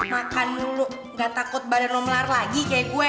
makan dulu gak takut badan nomor lagi kayak gue